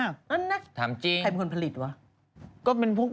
ใครปลูกเศก